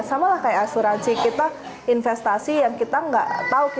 sama lah kayak asuransi kita investasi yang kita nggak tahu